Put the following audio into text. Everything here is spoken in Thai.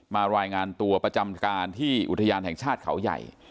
รายงานตัวประจำการที่อุทยานแห่งชาติเขาใหญ่